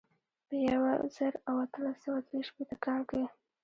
په یو زر او اتلس سوه درې شپېته کال کې.